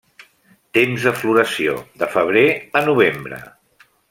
Temps de floració: de febrer a novembre.